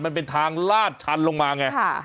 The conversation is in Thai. มันเป็นทางลาดชันลงมาไง